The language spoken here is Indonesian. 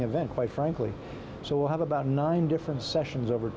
terima kasih banyak saya senang berada disini